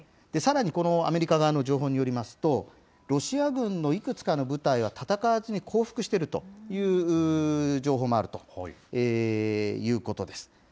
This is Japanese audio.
さらに、このアメリカ側の情報によりますと、ロシア軍のいくつかの部隊は、戦わずに降伏しているという情報もあるということです。